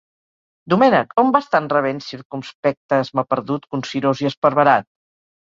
Domènech, on vas tan rabent, circumspecte, esmaperdut, consirós i esparverat?